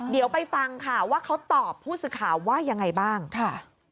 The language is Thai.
เดี๋ยวไปฟังค่ะว่าเขาตอบผู้สื่อข่าวว่ายังไงบ้างค่ะ